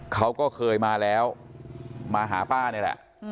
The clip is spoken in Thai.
เขาก็เคยมาแล้วมาหาป้านี่แหละ